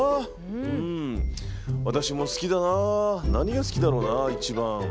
私も好きだな何が好きだろうな一番。